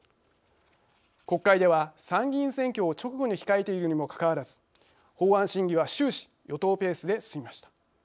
国会では、参議院選挙を直後に控えているにもかかわらず法案審議は終始、与党ペースで進みました。